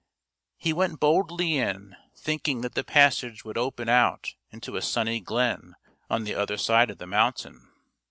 He went boldly in, thinking that the passage would open out into a sunny glen on the other side of the mountain.